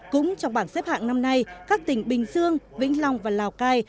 cũng trong bảng xếp hạng năm nay các tỉnh bình dương vĩnh long và lào cai